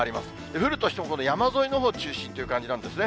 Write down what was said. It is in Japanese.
降るとしても山沿いのほう中心ということなんですね。